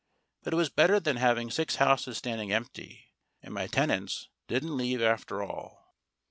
But it was better than having six houses standing empty ; and my tenants didn't leave after all.